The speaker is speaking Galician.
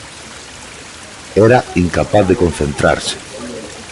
Era incapaz de concentrarse.